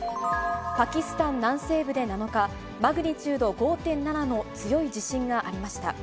パキスタン南西部で７日、マグニチュード５．７の強い地震がありました。